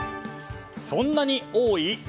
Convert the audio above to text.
そんなに多い？